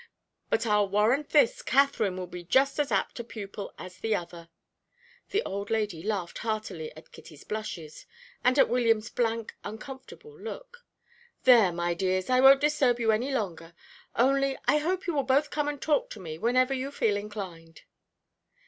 but I'll warrant this Katherine will be just as apt a pupil as the other." The old lady laughed heartily at Kitty's blushes, and at William's blank, uncomfortable look. "There, my dears, I won't disturb you any longer; only I hope you will both come and talk to me whenever you feel inclined."